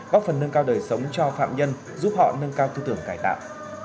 góp phần nâng cao đời sống cho phạm nhân giúp họ nâng cao tư tưởng cải tạo